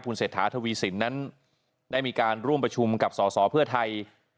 เศรษฐาทวีสินนั้นได้มีการร่วมประชุมกับสอสอเพื่อไทย